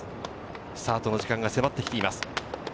スタートの時間が迫ってきています。